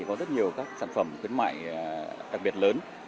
có rất nhiều sản phẩm khuyến mãi đặc biệt lớn